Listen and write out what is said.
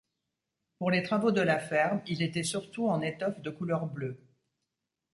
Pour les travaux de la ferme, il était surtout en étoffe de couleur bleue.